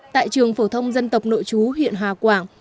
tại trường phổ thông dân tộc nội chú huyện hà quảng